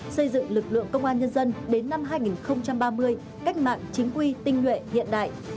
xây dựng lực lượng công an nhân dân đến năm hai nghìn ba mươi cách mạng chính quy tinh nguyện hiện đại